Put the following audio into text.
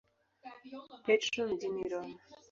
Petro mjini Roma.